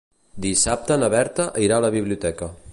Dissabte na Berta irà a la biblioteca.